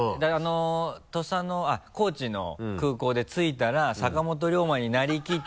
高知の空港で着いたら坂本龍馬になりきって。